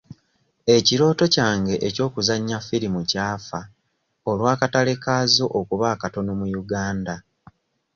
Ekirooto kyange ey'okuzannya firimu ky'afa olw'akatale kaazo okuba akatono mu Uganda.